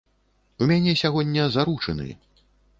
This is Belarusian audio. У мяне сягоння заручыны.